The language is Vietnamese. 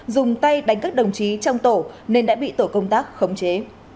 dùng tay đánh các đồng chí trong tổ nên đã bị tổ công tác khống chế